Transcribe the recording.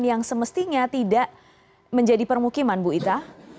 yang semestinya tidak menjadi permukiman bu ita